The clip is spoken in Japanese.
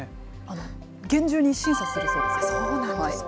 厳重に審査するそうです。